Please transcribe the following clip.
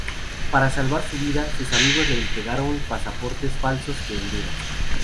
Para salvar su vida, sus amigos le entregaron pasaportes falsos de Honduras.